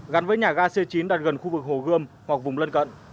gắn với nhà ga c chín đạt gần khu vực hồ gươm hoặc vùng lân cận